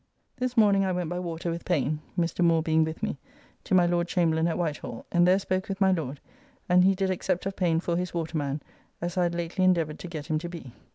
This morning I went by water with Payne (Mr. Moore being with me) to my Lord Chamberlain at Whitehall, and there spoke with my Lord, and he did accept of Payne for his waterman, as I had lately endeavoured to get him to be.